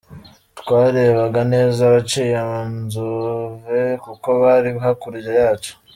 Twarebaga neza abaciye mu Nzove kuko bari hakurya yacu.